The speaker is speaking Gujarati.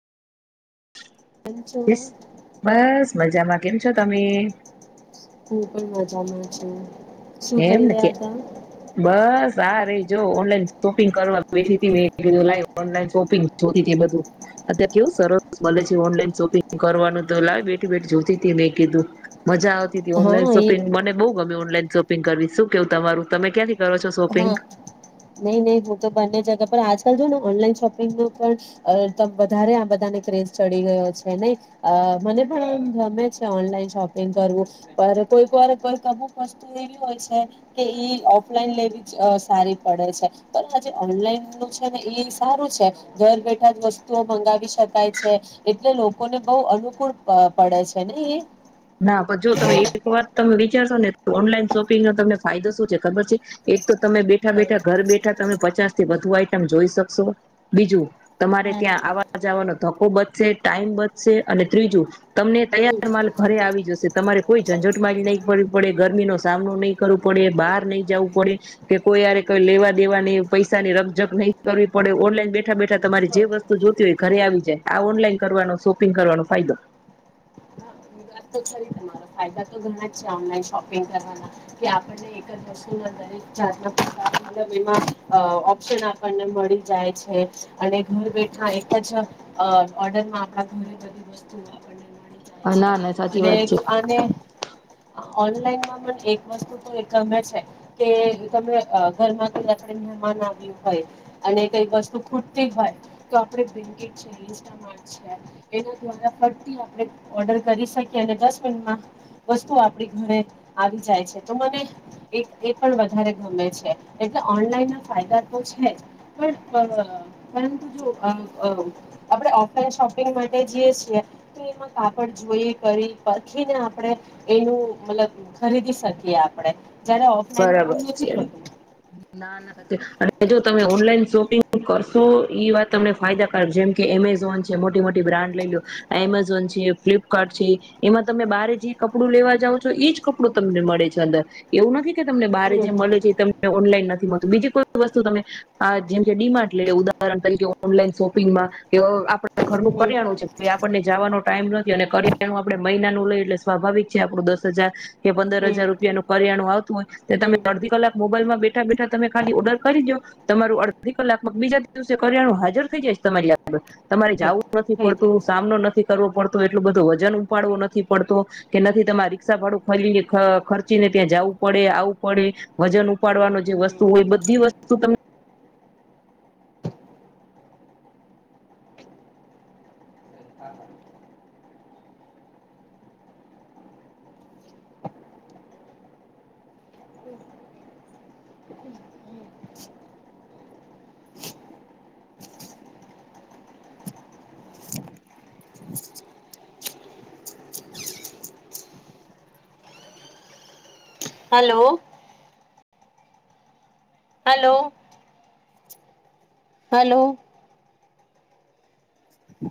[unintelligible] બેસ બસ મજામાં. કેમ છો, તમે? હું પણ મજામાં છું. શું કરી એમન કે રહ્યા હતા? બસ. સાર જો ઓનલાઈન શોપિંગ કરવા બેઠી થી મે કધું લ ઓનલાન શોપિંગ જોતી બધું અત્યારે કેવું સરસ મળલે છે ઓનલાઈન શોપિંગ કરવાનું તો લ બેઠી બેઠી જોતી મેં કીધું મજાતી તીતી ઓનલાઈન હા એ શોપિંગ મને બહુ ગમે ઓનલાઈન પીન કરવી. શું કેવું તમારું? તમે ક્યાંથી કરો છો શોપિંગ હા, નહી નહી હું તો બંને જગહ પર આજ ને ઓનલાઈન શોપિંગ ન પણ વધારે આ બધાને ક્રેઝ ચડી ગયો છે નહી મને પણ આમ ગમે છે ઓનલાઈન શોપિંગ કરવું કોઈક વાર કોઈ અમુક વસ્તુ એવી હોય છે કે ઈ ઓફલાઈન લેવી અ સારી પડે છે, પણ આજે ઓનલાઈનનું છે ને ઈ સારું છે. ઘર બેઠા જ વસ્તુઓ મંગાવી શકાય છે. એટલે લોકોને બહુ અનુકૂળ પ પડે છે નઈ? ના પણ જો તમે એક વાર તમે વી ત્યાં શું ને ઓનલાઈન શોપિંગનો તમને ફાયદો શું છે, ખબર છે? એ તો તમે બેઠા હમ બેઠા ઘર બેઠા તમે પચાસ તે વધુ આઈટમ જોઈ શકશો. બીજું તમારે ત્યાં હમ આવા જાવાન ધક્કો બચશે ટાઈમ બચશે અને ત્રીજું તમને હમ. તૈયાર માલ ઘરે આવી તમારે કોઈ ઝંઝટ મારી નહી પવી પડે ગરમી નો સામનો નહી કરવો પડે બહાર નહી જવું પડે કે કોઈરે કોઈ લેવા દેવાને પૈસાની રકઝક નહી કરવી પડે ઓનલાઈન બેઠા બેઠા તમારે જે વસ્તુ જોતી હોય ઘરે આવી જાય આ ઓનલાઈન કરવાનો શોપિંગ કરવાનો ફાયદો એ વાત તો ખરી તમારો ફાયદા તો ઘણા જ છે ઓનલાઈન શોપિંગ કરવાના કે આપણને એક વસ્તુ દરેક જાતના પલ એમાં ઓપ્શન આપણને મળી જાય છે અને ઘર બેઠા એક જ ઓર્ડરમાં આપણા ઘરે બધી વસ્તુ આપને મળી જાય છે. ના ના સાચી અને વાત છે આને ઓનલાઈનમાં પણ એક વસ્તુ તો એ ગમે છે કે તમે ઘરમાં કઈ આપણે મહેમાન આવ્યું હોય અને કઈ વસ્તુ ખૂટતી હોય તો આપણેન્કી છે ઇન્સ્ટમાટ છે એના દ્વારા ફરતી આપણે ઓર્ડર કરી શકીએ અને દસ મિનટમાં વસ્તુ આપણી ઘરે આવી જાય છે તો મને એ પણ વધારે ગમે છે એટલે ઓનલાઈનના ફાયદા તો છે જ પણ પરંતુ જો આપણે ઓફલાઈન શોપિંગ માટે જઈએ છીએ તો એમાં કાપડ જોઈએ કરી પરખીને આપણે એનું મલ્લબ ખરીદી શકીએ આપડે. બરાબર છે. ના ના [unintelligible] અને જો તમે ઓનલાઈ શોપિંગ શું કરશું ઈ વાત તમને ફાયદાકારક. જેમ કે એમેઝોન છે, મોટી મોટી બ્રાન્ડ લઈ લો. એમેઝોન છે, ફ્લિપકાર્ટ છે, એમાં તમે બારે જે કપડું લેવા જાવ છો ઈજ કપડું તમને મળે છે અંદર એવું નથી કે તમને બારે જે હમ મલે છે તમને ઓનલાઈન નથી મળ તો બીજી કોઈ વસ્તુ તમે આ જેમ કે ડીમાર્ટ લઈ લો ઉદાહરણ તરીકે ઓનલાઈન શોપિંગમાં કે અઉ આપડા ત ઘરનું હમ કરિયાણું છે આપણને જાવાનું ટાઈમ નથી અને કરિ યાણું આપડે મહિનાનું લઈ લેશ સ્વાભાવિક છે આપડુ દસ હજાર કે પંદર હમ હજાર રૂપિયાનું કરિયાણું આવતું હોય તે હમ તમે હમ અડધી કલાક મોબાઈલમાં બેઠા બેઠા તમે ખાલી ઓર્ડર કરી દો તમારું અડધી કલાક બીજા દિવસે કર્યાનું હાજર થઈ જાય તમારી લ તમારે હા જાઉં નથી થઈ જાય પડતું છે. સામનો નથી કરવો પડત એટલું બધું વજન ઉપાડવું નથી પડતો કે નથી તમારે રિક્ષા ભાડું ખાલી ખર્ચીને ત્યાં જવું પડ ડે આવું પડે વજન ઉપાડવાનું જે વસ્તુ હમ હોય બધી વસ્તુ તમને હલો હલો હલો